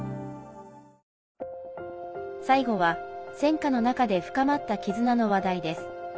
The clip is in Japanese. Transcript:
最後は、戦禍の中で深まった絆の話題です。